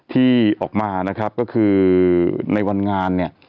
ที่ออกมานะครับก็คือในวันงานเนี่ย